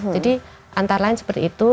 jadi antara lain seperti itu